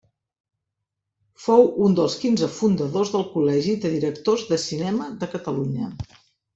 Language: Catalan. Fou un dels quinze fundadors del Col·legi de Directors de Cinema de Catalunya.